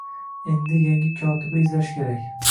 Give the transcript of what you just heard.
Endi yangi kotiba izlash kerak